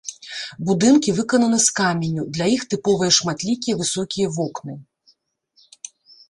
Будынкі выкананы з каменю, для іх тыповыя шматлікія высокія вокны.